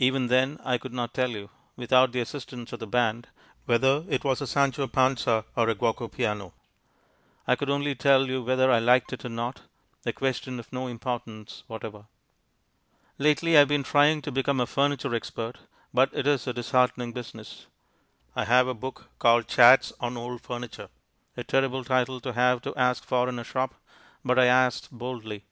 Even then I could not tell you (without the assistance of the band) whether it was a Sancho Panza or a Guoco Piano. I could only tell you whether I liked it or not, a question of no importance whatever. Lately I have been trying to become a furniture expert, but it is a disheartening business. I have a book called Chats on Old Furniture a terrible title to have to ask for in a shop, but I asked boldly.